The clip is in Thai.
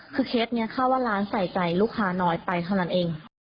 คือเคสนี้ค่าว่าร้านใส่ใจลูกค้าน้อยไปเท่านั้นเอง